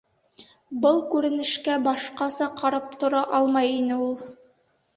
Был күренешкә башҡаса ҡарап тора алмай ине ул.